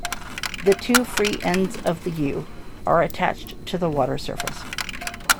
The two free ends of the "U" are attached to the water surface.